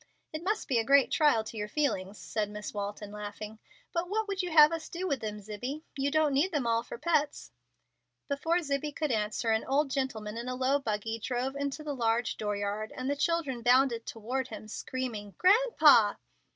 "It must be a great trial to your feelings," said Miss Walton, laughing; "but what would you have us do with them, Zibbie? You don't need them all for pets." Before Zibbie could answer, an old gentleman in a low buggy drove into the large door yard, and the children bounded toward him, screaming, "Grandpa."